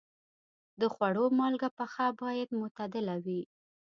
د خوړو مالګه پخه باید معتدله وي.